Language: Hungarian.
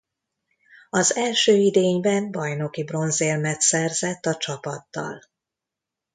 Az első idényben bajnoki bronzérmet szerzett a csapattal.